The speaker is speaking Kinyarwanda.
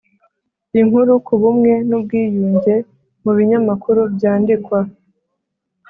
Inkuru ku bumwe n’ ubwiyunge mu binyamakuru byandikwa